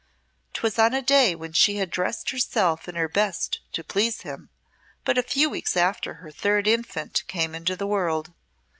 'Twas on a day when she had dressed herself in her best to please him, but a few weeks after her third infant came into the world.